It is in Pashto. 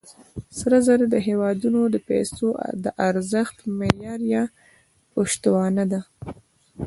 سره زر د هېوادونو د پیسو د ارزښت معیار یا پشتوانه ده.